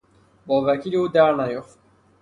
با وکیل او در نیفت!